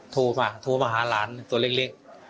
โทรมาโทรมาหาหลานตัวเล็ก